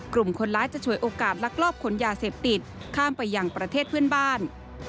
กลุ่มคนร้ายจะฉวยโอกาสลักลอบขนยาเสพติดข้ามไปยังประเทศเพื่อนบ้าน